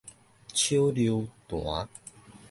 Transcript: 手榴彈